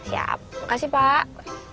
siap makasih pak